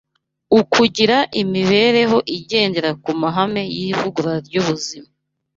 ukugira imibereho igendera ku mahame y’ivugurura ry’ubuzima.